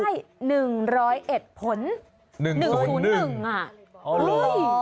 ใช่๑๐๑ผล๑๐๑อ่ะ